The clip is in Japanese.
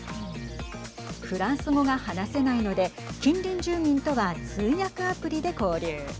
フランス語が話せないので近隣住民とは通訳アプリで交流。